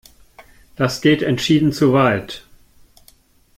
Das geht entschieden zu weit!